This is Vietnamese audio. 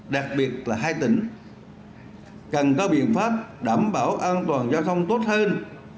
đặc biệt là hai tỉnh cần có biện pháp đảm bảo an toàn giao thông tốt hơn